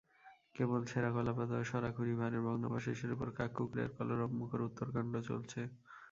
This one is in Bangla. কেবল ছেঁড়া কলাপাতা ও সরা-খুরি-ভাঁড়ের ভগ্নাবশেষের উপর কাক-কুকুরের কলরবমুখর উত্তরকাণ্ড চলছে।